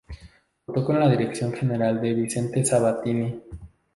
Contó con la dirección general de Vicente Sabatini.